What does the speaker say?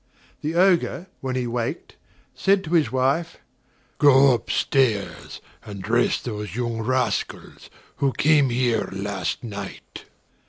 The Ogre, when he waked, said to his wife: "Go up stairs and dress those young rascals who came here last night."